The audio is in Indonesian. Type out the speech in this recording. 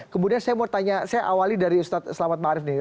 kemudian saya mau tanya saya awali dari ustaz selamat marif ini